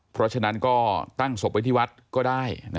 เพราะฉะนั้นก็ตั้งศพไว้ที่วัดก็ได้